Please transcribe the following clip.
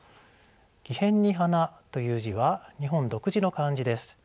木偏に花という字は日本独自の漢字です。